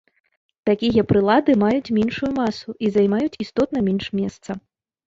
Такія прылады маюць меншую масу і займаюць істотна менш месца.